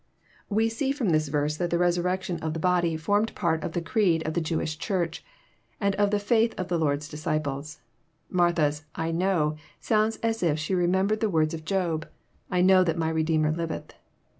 We see fh>m this verse that the resurrection of the bodj JOHN, CHAP. XI. 263 formed part of the creed of the Jewish Charch, and of the foith of our Lord*3 disciples. Martha's *'/ know" sonuds as if she re membered the words of Job, I know that my Redeemer liveth."